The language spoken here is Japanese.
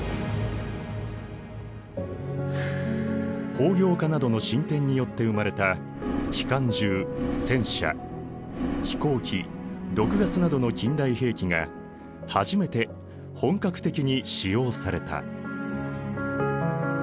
工業化などの進展によって生まれた機関銃戦車飛行機毒ガスなどの近代兵器が初めて本格的に使用された。